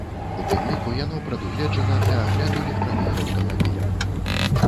У тым ліку яно прадугледжана для агляду легкавых аўтамабіляў.